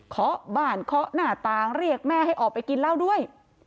ขอบ้านเคาะหน้าต่างเรียกแม่ให้ออกไปกินเหล้าด้วย